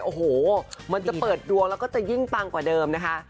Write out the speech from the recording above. โอ้โหมันจะเปิดดวงแล้วก็จะยิ่งปังกว่าเดิมนะคะ